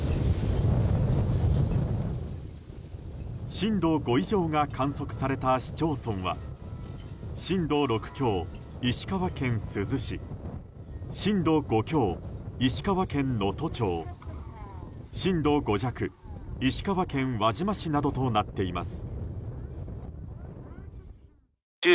震度５以上が観測された市町村は震度６強、石川県珠洲市震度５強、石川県能登町震度５弱、石川県輪島市などとなっています。